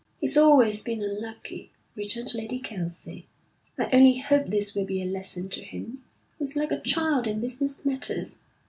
'He's always been unlucky,' returned Lady Kelsey. 'I only hope this will be a lesson to him. He's like a child in business matters.